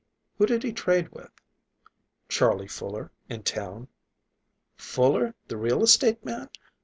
"Who did he trade with?" "Charley Fuller, in town." "Fuller the real estate man?